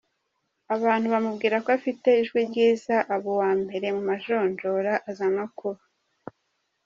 abantu bamubwira ko afite ijwi ryiza, aba uwa mbere mu majonjora aza no kuba.